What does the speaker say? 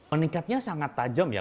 meningkatnya sangat tajam ya